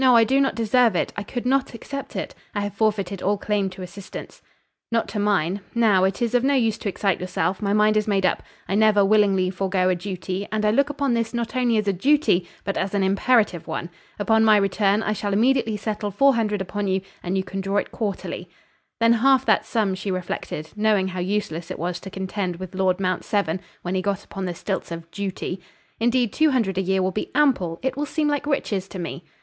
I do not deserve it; I could not accept it; I have forfeited all claim to assistance." "Not to mine. Now, it is of no use to excite yourself, my mind is made up. I never willingly forego a duty, and I look upon this not only as a duty, but as an imperative one. Upon my return, I shall immediately settle four hundred upon you, and you can draw it quarterly." "Then half that sum," she reflected, knowing how useless it was to contend with Lord Mount Severn when he got upon the stilts of "duty." "Indeed, two hundred a year will be ample; it will seem like riches to me."